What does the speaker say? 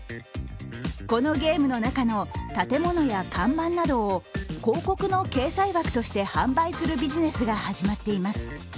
このゲームの中の建物や看板などを広告の掲載枠として販売するビジネスが始まっています。